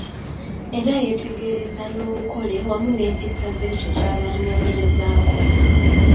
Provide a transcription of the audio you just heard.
Era yeetegereza n’obukole wamu n’empisa z’ekyo ky'aba anoonyerezaako.